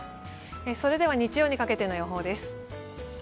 それでは日曜にかけての予想です。